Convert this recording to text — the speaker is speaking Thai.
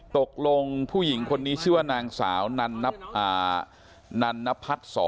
ตกลงผู้หญิงคนนี้ชื่อว่านางสาวนันพัดศรนะครับ